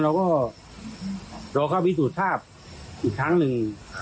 และก็คือว่าถึงแม้วันนี้จะพบรอยเท้าเสียแป้งจริงไหม